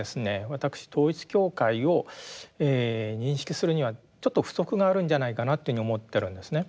私統一教会を認識するにはちょっと不足があるんじゃないかなというふうに思ってるんですね。